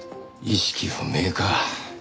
意識不明か。